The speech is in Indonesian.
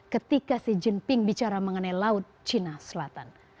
ketika xi jinping bicara mengenai laut cina selatan